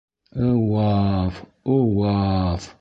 Ыу-уаф, ыу-уаф!